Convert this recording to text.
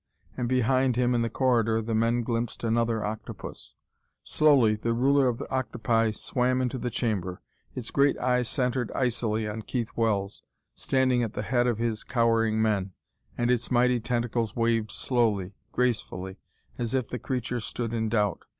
And behind him in the corridor the men glimpsed another octopus. Slowly the ruler of the octopi swam into the chamber. Its great eyes centered icily on Keith Wells, standing at the head of his cowering men; and its mighty tentacles waved slowly, gracefully, as if the creature stood in doubt.